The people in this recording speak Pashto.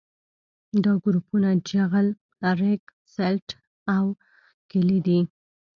دا ګروپونه جغل ریګ سلټ او کلې دي